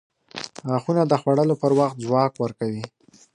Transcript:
• غاښونه د خوړلو پر وخت ځواک ورکوي.